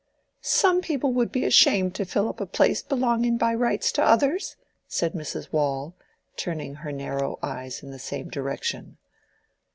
"Some people would be ashamed to fill up a place belonging by rights to others," said Mrs. Waule, turning her narrow eyes in the same direction.